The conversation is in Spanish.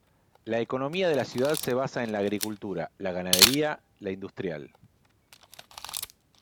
La economía de la ciudad se basa en la agricultura, la ganadería, la industrial.